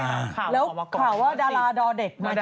ข่าวออกมาก่อนแล้วข่าวว่าดาราดอเด็ก